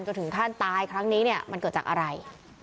จนถึงท่านตายครั้งนี้มันเกิดจากอะไร